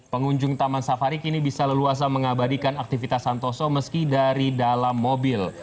pengunjung taman safari kini bisa leluasa mengabadikan aktivitas santoso meski dari dalam mobil